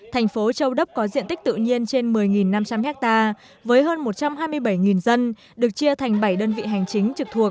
thành phố châu đốc có diện tích tự nhiên trên một mươi năm trăm linh ha với hơn một trăm hai mươi bảy dân được chia thành bảy đơn vị hành chính trực thuộc